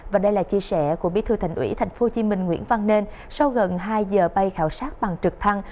và đây là chia sẻ của bí thư thành ủy tp hcm nguyễn văn nên sau gần hai giờ bay khảo sát bằng trực thăng